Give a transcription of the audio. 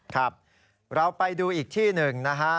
ครับเราไปดูอีกที่หนึ่งนะฮะ